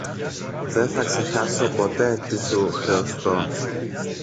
Δε θα ξεχάσω ποτέ τι σου χρεωστώ.